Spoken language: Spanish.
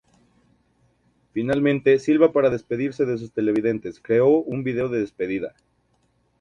Finalmente, Silva para despedirse de sus televidentes creó un video de despedida.